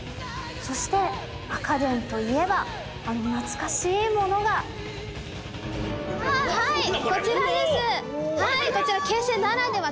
そして赤電といえばあの懐かしいものがはいこちらです！